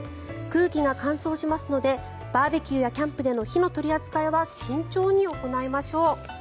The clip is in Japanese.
空気が乾燥しますのでバーベキューやキャンプでの火の取り扱いは慎重に行いましょう。